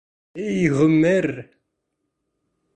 Эй ғүмер!..